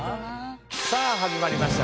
さあ始まりました